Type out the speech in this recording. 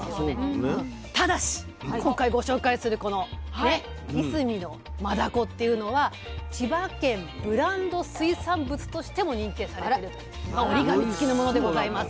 ただし今回ご紹介するこのいすみのマダコっていうのは千葉県ブランド水産物としても認定されてると折り紙付きのものでございます。